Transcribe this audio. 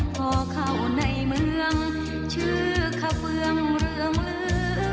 พอเข้าในเมืองชื่อคาเฟืองเรืองลื้อ